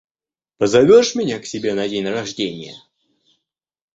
Позовешь меня к себе на день рождения?